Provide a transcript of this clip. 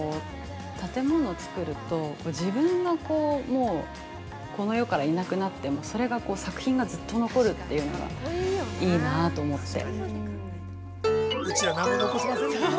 建物をつくると、自分がもうこの世からいなくなってもそれが、作品がずっと残るっていうのがいいなあと思って。